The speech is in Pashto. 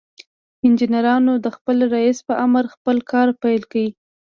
انجنيرانو د خپل رئيس په امر خپل کار پيل کړ.